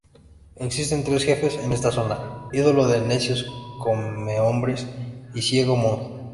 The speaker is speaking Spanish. Existen tres jefes en esta zona: Ídolo de los necios, Come-hombres y Viejo Monje.